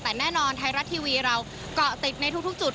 แต่แน่นอนไทยรัฐทีวีเราก็ติดในทุกจุด